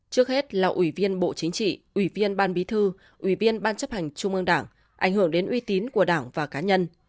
trước hết là ủy viên bộ chính trị ủy viên ban bí thư ủy viên ban chấp hành trung ương đảng ảnh hưởng đến uy tín của đảng và cá nhân